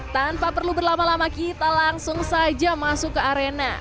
tanpa perlu berlama lama kita langsung saja masuk ke arena